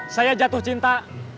saya jatuh cinta